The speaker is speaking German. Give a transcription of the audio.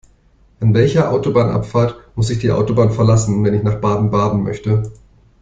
An welcher Autobahnabfahrt muss ich die Autobahn verlassen, wenn ich nach Baden-Baden möchte?